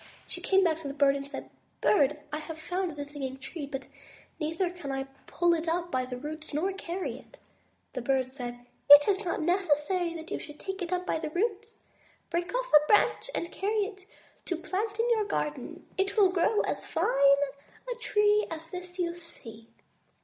She came back to the bird and said: "Bird, I have found the Singing Tree, but I can neither pull it up by the roots nor carry it." The Bird replied: "It is not necessary that you should take it up by the roots. Break off a branch and carry it to plant in your garden. It will grow as fine a tree as this you see."